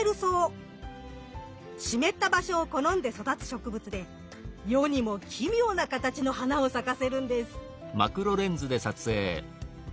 湿った場所を好んで育つ植物で世にも奇妙な形の花を咲かせるんです。